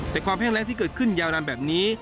แต่ความแห้งแรงที่เกิดขึ้นยาวนานแบบนี้